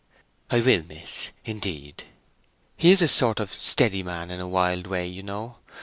"I will, miss, indeed." "He is a sort of steady man in a wild way, you know.